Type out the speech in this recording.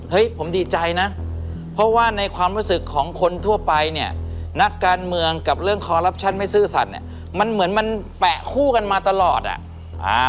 ผมดีใจนะเพราะว่าในความรู้สึกของคนทั่วไปเนี่ยนักการเมืองกับเรื่องคอลลับชั่นไม่ซื่อสัตว์เนี่ยมันเหมือนมันแปะคู่กันมาตลอดอ่ะ